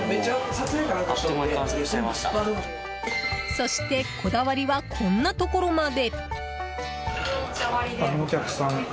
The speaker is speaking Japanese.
そしてこだわりはこんなところまで。